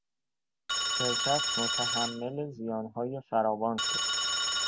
شرکت متحمل زیانهای فراوان شد.